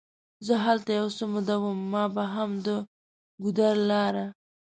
زه هلته یو څه موده وم، ما به هم د ګودر لاره.